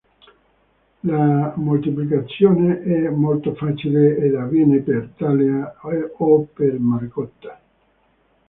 La moltiplicazione è molto facile ed avviene per talea o per margotta.